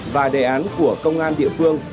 và đề án của công an địa phương